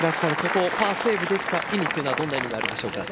ここパーセーブできた意味というのはどういう意味でしょうか。